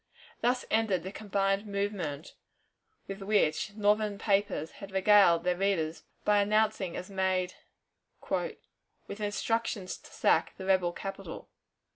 Thus ended the combined movement with which Northern papers had regaled their readers by announcing as made "with instructions to sack the rebel capital."